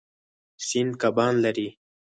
سیند کبان لري.